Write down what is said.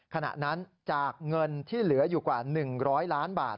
ขณะนั้นจากเงินที่เหลืออยู่กว่า๑๐๐ล้านบาท